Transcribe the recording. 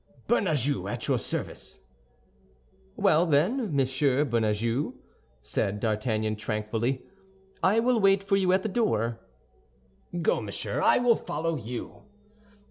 "Bernajoux, at your service." "Well, then, Monsieur Bernajoux," said D'Artagnan, tranquilly, "I will wait for you at the door." "Go, monsieur, I will follow you."